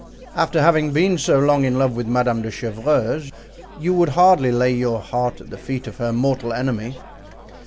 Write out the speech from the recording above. After having been so long in love with Madame de Chevreuse, you would hardly lay your heart at the feet of her mortal enemy!"